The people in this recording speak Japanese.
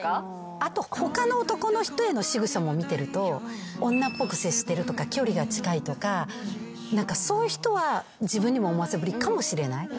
あと他の男の人へのしぐさも見てると女っぽく接してるとか距離が近いとか何かそういう人は自分にも思わせぶりかもしれない。